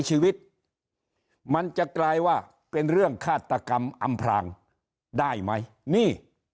ชีวิตมันจะกลายว่าเป็นเรื่องฆาตกรรมอำพรางได้ไหมนี่